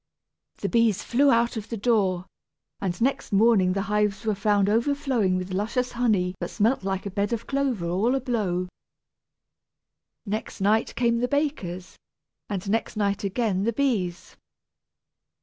The bees flew out of the door, and next morning the hives were found overflowing with luscious honey that smelt like a bed of clover all a blow. Next night came the bakers, and next night again the bees.